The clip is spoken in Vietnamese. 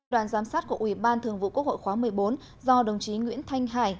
đoàn giám sát của ủy ban thường vụ quốc hội khóa một mươi bốn do đồng chí nguyễn thanh hải